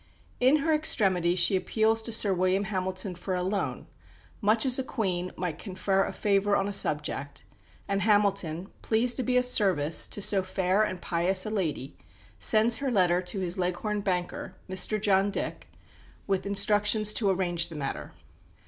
In her extremity she appeals to Sir William Hamilton for a loan, much as a Queen might confer a favour on a subject, and Hamilton, pleased to be of service to so fair and pious a lady, sends her letter to his Leghorn banker, Mr John Dick, with instructions to arrange the matter.